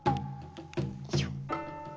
よいしょ。